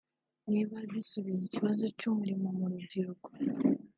Niba zisubiza ikibazo cy’umurimo mu rubyiruko